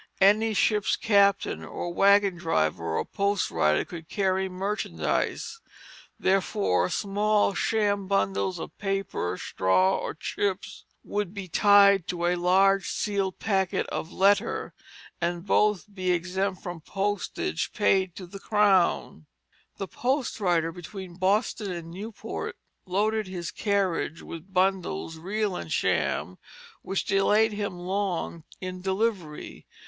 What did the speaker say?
Any ship's captain, or wagon driver, or post rider could carry merchandise; therefore small sham bundles of paper, straw, or chips would be tied to a large sealed packet of letter, and both be exempt from postage paid to the Crown. The post rider between Boston and Newport loaded his carriage with bundles real and sham, which delayed him long in delivery.